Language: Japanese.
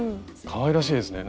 かわいらしいですね。